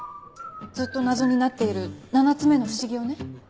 ずっと謎になっている７つ目の不思議をね。